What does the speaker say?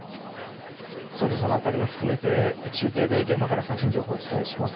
その辺りも含めて中継で現場から最新情報をお伝えします。